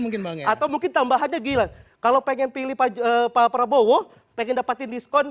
mungkin banget atau mungkin tambahannya gila kalau pengen pilih pak prabowo pengen dapetin diskon